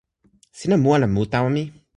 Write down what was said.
sina mu ala mu tawa mi?